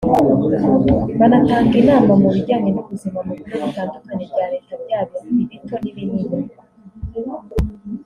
banatanga inama mu bijyanye n’ubuzima mu bigo bitandukanye bya leta byaba ibito n’ibini